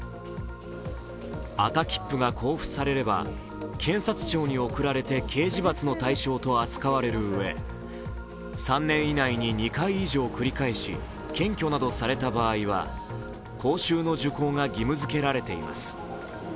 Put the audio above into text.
赤切符が交付されれば検察庁に送られて刑事罰の対象と扱われるうえ３年以内に２回以上繰り返し、検挙などされた場合は講習の受講が義務付けられています。